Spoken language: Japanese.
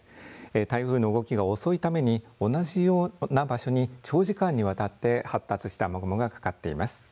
台風の動きが遅いために同じような場所に長時間にわたって発達した雨雲がかかっています。